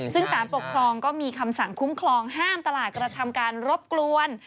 ซึ่งสารปกครองก็มีคำสั่งคุ้มครองห้ามตลาดกระทำการรบกวน